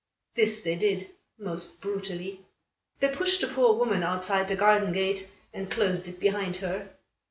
This they did, most brutally. They pushed the poor woman outside the garden gate and closed it behind her.